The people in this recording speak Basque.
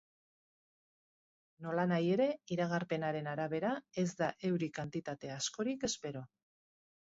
Nolanahi ere, iragarpenaren arabera, ez da euri kantitate askorik espero.